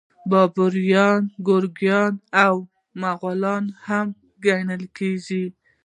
بابریان ګورکانیان او مغولان هم بلل کیږي.